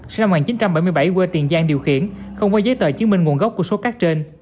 sinh năm một nghìn chín trăm bảy mươi bảy quê tiền giang điều khiển không có giấy tờ chứng minh nguồn gốc của số cát trên